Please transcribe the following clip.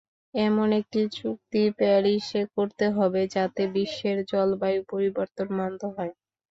এমন একটি চুক্তি প্যারিসে করতে হবে, যাতে বিশ্বের জলবায়ু পরিবর্তন বন্ধ হয়।